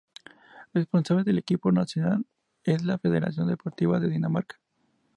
Responsable del equipo nacional es la Federación Deportiva de Dinamarca.